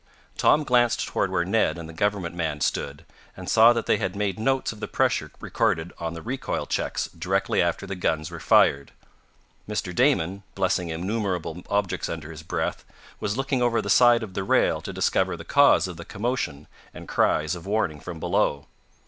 Tom glanced toward where Ned and the government man stood, and saw that they had made notes of the pressure recorded on the recoil checks directly after the guns were fired. Mr. Damon, blessing innumerable objects under his breath, was looking over the side of the rail to discover the cause of the commotion and cries of warning from below.